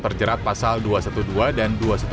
terjerat pasal dua ratus dua belas dan